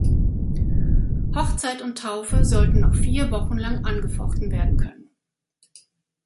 Hochzeit und Taufe sollten noch vier Wochen lang angefochten werden können.